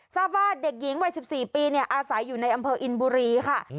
ทราบว่าเด็กหญิงวัย๑๔ปีอาศัยอยู่ในอำเภออินบุรีค่ะ